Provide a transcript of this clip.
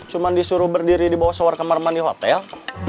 cuma disuruh berdiri di bawah sewar kemar kemar di hotel